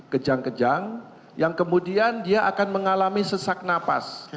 kejang kejang yang kemudian dia akan mengalami sesak napas